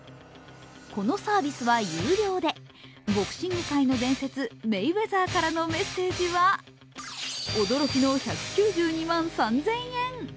このサービスは有料でボクシング界の伝説メイウェザーからのメッセージは驚きの１９２万３０００円。